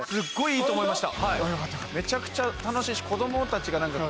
めちゃくちゃ楽しいし。